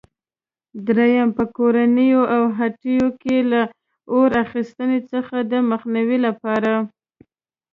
درېیم: په کورونو او هټیو کې له اور اخیستنې څخه د مخنیوي لپاره؟